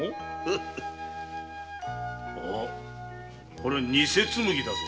これはニセ紬だぞ。